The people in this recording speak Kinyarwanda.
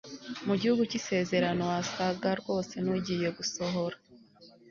mu gihugu cy'isezerano wasaga rwose n'ugiye gusohora